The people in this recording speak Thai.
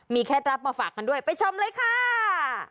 เคล็ดลับมาฝากกันด้วยไปชมเลยค่ะ